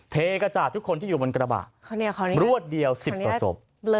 เทกระจาดทุกคนที่อยู่บนกระบะรวดเดียว๑๐กว่าศพ